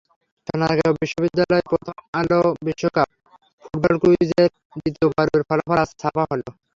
সোনারগাঁও বিশ্ববিদ্যালয়-প্রথম আলো বিশ্বকাপ ফুটবল কুইজের দ্বিতীয় পর্বের ফলাফল ছাপা হলো আজ।